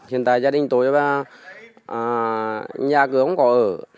hiện tại gia đình tôi và nhà cửa không có ở